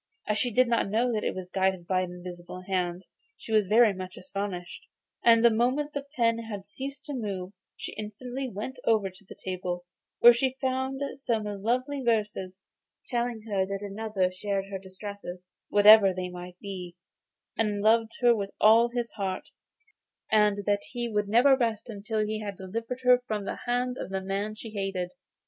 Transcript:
As she did not know that it was guided by an invisible hand she was very much astonished, and the moment that the pen had ceased to move she instantly went over to the table, where she found some lovely verses, telling her that another shared her distresses, whatever they might be, and loved her with all his heart; and that he would never rest until he had delivered her from the hands of the man she hated.